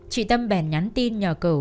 chị tâm bèn nhắn tin nhờ cầu